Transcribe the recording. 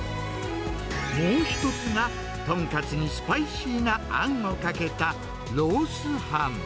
もう一つが豚カツにスパイシーなあんをかけたロース飯。